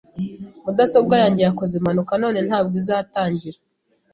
Mudasobwa yanjye yakoze impanuka none ntabwo izatangira .